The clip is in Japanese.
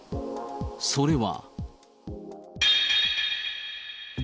それは。